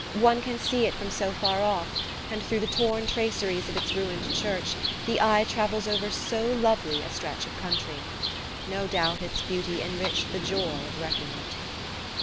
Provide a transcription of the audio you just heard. One can see it from so far off, and through the torn traceries of its ruined church the eye travels over so lovely a stretch of country! No doubt its beauty enriched the joy of wrecking it.